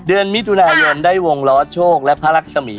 เดือนมิถุนายนได้วงล้อโชคและพระรักษมี